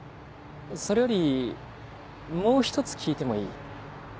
それよりもう１つ聞いてもいい？